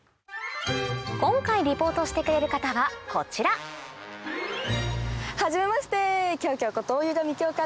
今回リポートしてくれる方はこちらはじめまして。